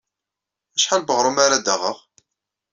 Acḥal n weɣrum ara d-aɣeɣ?